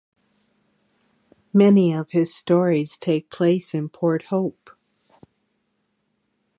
Many of his stories take place in Port Hope.